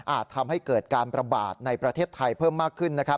ทำให้เกิดการประบาดในประเทศไทยเพิ่มมากขึ้นนะครับ